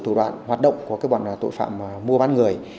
thủ đoạn hoạt động của các tội phạm mua bán người